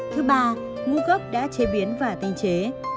thứ ba ngũ gốc đã chế biến và tinh chế